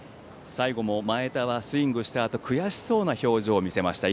最後も、前田はスイングしたあと悔しそうな表情を見せました。